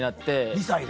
２歳で？